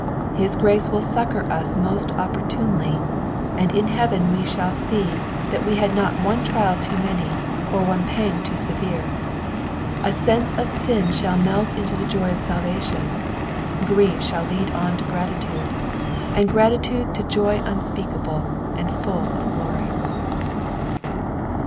His grace will succour us most opportunely, and la heaven we shall see thst we bad not one trial too many, or one P&i>S ^o*^ leven. A sense of sin ahall melt into the joy of aalvation ; grief ahall lead on to gratitude, uid gratitude to joy unspeakable and full of glory.